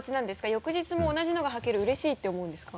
翌日も同じのがはけるうれしいって思うんですか？